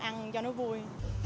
ăn cho nó vui